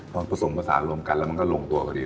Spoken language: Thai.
พอผสมผสานรวมกันแล้วมันก็ลงตัวพอดี